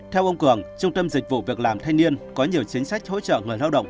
theo ông cường trung tâm dịch vụ việc làm thanh niên có nhiều chính sách hỗ trợ người lao động